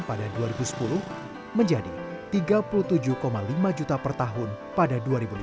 pada tahun dua ribu lima belas pendapatan per kapita warga meningkat dari dua puluh tujuh lima juta per tahun pada dua ribu lima belas